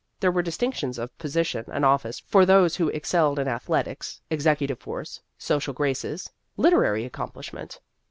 There were distinctions of position and office for those who excelled in ath letics, executive force, social graces, literary accomplishment.